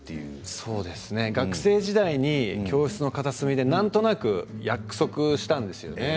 学生時代、教室の片隅でなんとなく約束したんですよね。